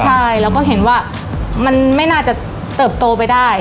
ใช่แล้วก็เห็นว่ามันไม่น่าจะเติบโตไปได้